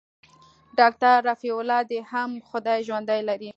ډاکتر رفيع الله دې هم خداى ژوندى لري.